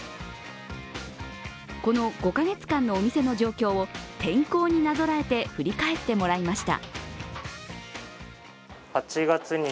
この５カ月間のお店の状況を天候になぞらえて振り返ってもらいました。